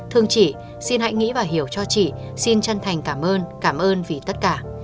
thương chị xin hãy nghĩ và hiểu cho chị xin chân thành cảm ơn cảm ơn vì tất cả